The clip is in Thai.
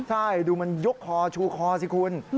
ใช่ดูมันยกคอชูคอสิคุณ